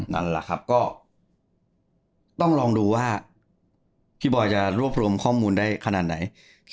นั่นแหละครับก็ต้องลองดูว่าพี่บอยจะรวบรวมข้อมูลได้ขนาดไหน